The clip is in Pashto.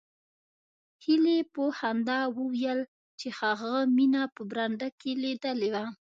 هیلې په خندا وویل چې هغه مینه په برنډه کې لیدلې وه